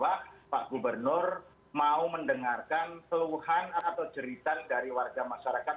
bahwa pak gubernur mau mendengarkan keluhan atau jeritan dari warga masyarakat